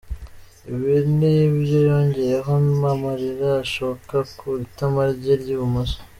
Ibi ni ibyo yongeyeho m’amarira ashoka ku itama rye ry’ibumoso.